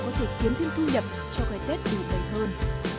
có thể kiếm thêm thu nhập cho cái tết đủ đầy hơn